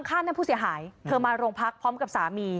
นั่นผู้เสียหายเธอมาโรงพักพร้อมกับสามี